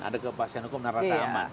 ada kepastian hukum dan rasa aman